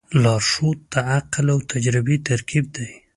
لارښود د عقل او تجربې ترکیب دی.